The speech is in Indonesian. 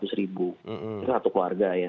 dari satu keluarga ya